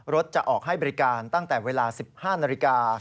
จะออกให้บริการตั้งแต่เวลา๑๕นาฬิกา